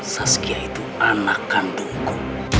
saskia itu anak kandungku